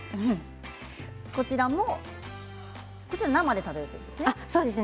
こちらは生で食べるんですね。